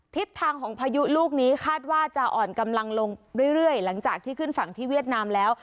ทิศทางของพายุลูกนี้คาดว่าจะอ่อนกำลังลงเรื่อยหลังจากที่ขึ้นฝั่งที่เวียดนามแล้ว